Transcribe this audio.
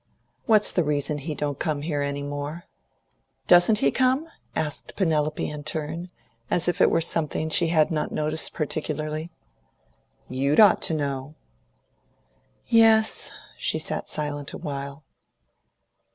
"What's the reason he don't come here any more?" "Doesn't he come?" asked Penelope in turn, as if it were something she had not noticed particularly. "You'd ought to know." "Yes." She sat silent a while.